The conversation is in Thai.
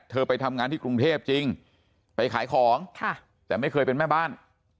ไปทำงานที่กรุงเทพจริงไปขายของแต่ไม่เคยเป็นแม่บ้าน